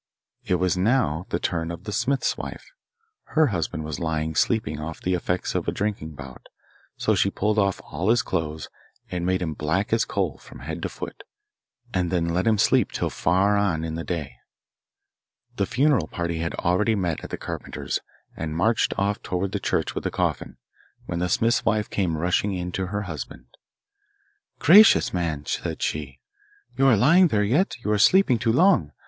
It was now the turn of the smith's wife. Her husband was lying sleeping off the effects of a drinking bout, so she pulled off all his clothes and made him black as coal from head to foot, and then let him sleep till far on in the day. The funeral party had already met at the carpenter's, and marched oft towards the church with the coffin, when the smith's wife came rushing in to her husband. 'Gracious, man,' said she, 'you are lying there yet? You are sleeping too long.